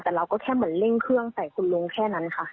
แต่เราก็แค่เหมือนเร่งเครื่องใส่คุณลุงแค่นั้นค่ะ